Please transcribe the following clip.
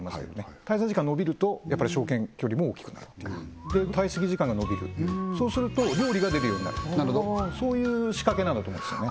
滞在時間伸びるとやっぱり商圏距離も大きくなるっていうで滞席時間が延びるそうすると料理が出るようになるそういう仕掛けなんだと思うんですよね